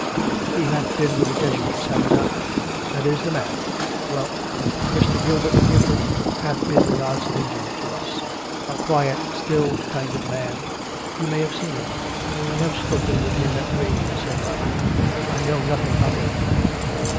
" He hath been with the Jesuits, hath he not? "" That is the man. Well, Mr. Gilbert Gifford hath been God's angel to us. A quiet, still kind of a man — you have seen him? "" I have spoken with him at Rheims," said Robin. " I know nothing of him."